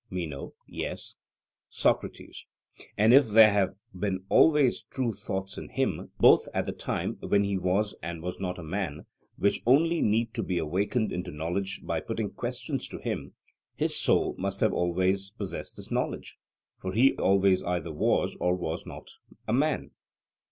MENO: Yes. SOCRATES: And if there have been always true thoughts in him, both at the time when he was and was not a man, which only need to be awakened into knowledge by putting questions to him, his soul must have always possessed this knowledge, for he always either was or was not a man?